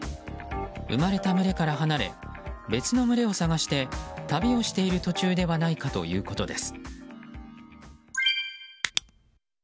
生まれた群れから離れ別の群れを探して旅をしている途中ではないかということです。